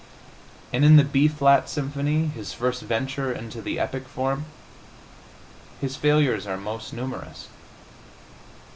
And in the B flat symphony, his first venture into the epic form, his failures are most numerous.